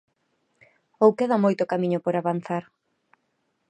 Ou queda moito camiño por avanzar?